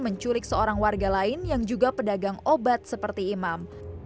menculik seorang warga lain yang juga pedagang obat seperti imam